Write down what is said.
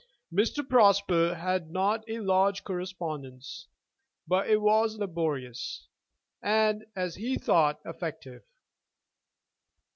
Mr. Prosper had not a large correspondence, but it was laborious, and, as he thought, effective.